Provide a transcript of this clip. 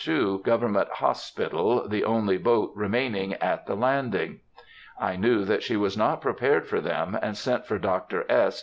2, Government Hospital, the only boat remaining at the landing. I knew that she was not prepared for them, and sent for Dr. S.